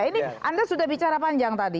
ini anda sudah bicara panjang tadi